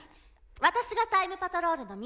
私がタイムパトロールのミライ。